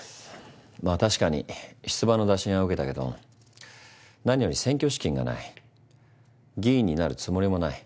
まあ確かに出馬の打診は受けたけど何より選挙資金がない議員になるつもりもない。